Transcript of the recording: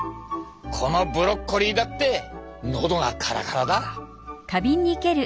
このブロッコリーだって喉がカラカラだ。